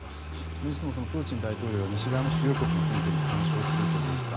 それにしてもプーチン大統領は西側の主要国の選挙に干渉するというか。